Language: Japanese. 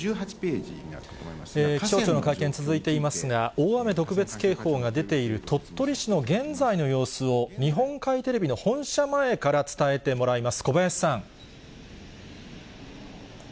けれ気象庁の会見、続いていますが、大雨特別警報が出ている鳥取市の現在の様子を、日本海テレビの本社前から伝えてもらいます。